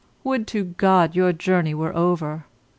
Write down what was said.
Would to God your journey were over!